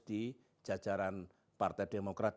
di jajaran partai demokrat